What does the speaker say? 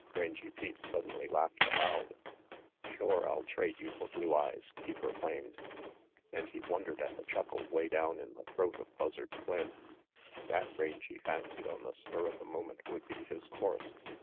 Rangy Pete suddenly laughed aloud. "Shore I'll trade you for Blue Eyes," he pro claimed; and he wondered at the chuckle way down in the throat of Buzzard Flynn. That, Rangy fancied on the spur of the moment, would be his course.